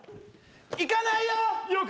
いかないよ！